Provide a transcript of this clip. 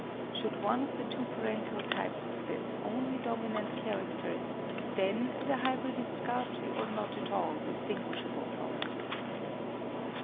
Should one of the two parental types possess only dominant characters, then the hybrid is scarcely or not at all distinguishable from it.